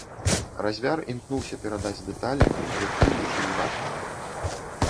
Разьбяр імкнуўся перадаць дэталі, якія лічыў важнымі.